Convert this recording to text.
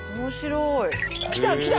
きたきた！